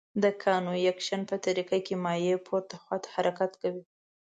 د کانویکشن په طریقه کې مایع پورته خواته حرکت کوي.